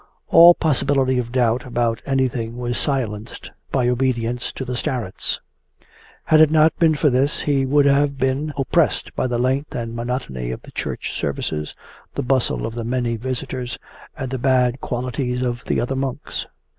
All possibility of doubt about anything was silenced by obedience to the starets. Had it not been for this, he would have been oppressed by the length and monotony of the church services, the bustle of the many visitors, and the bad qualities of the other monks.